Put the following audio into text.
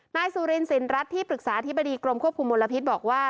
นายสุรินสินรัฐที่ปรึกษาอธิบดีกรมควบคุมมลพิษบอกว่า